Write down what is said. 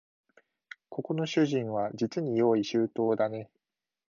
ここの主人はじつに用意周到だね